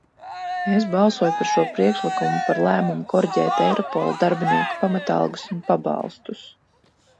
Es balsoju par šo priekšlikumu par lēmumu koriģēt Eiropola darbinieku pamatalgas un pabalstus.